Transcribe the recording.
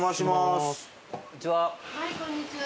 はいこんにちは。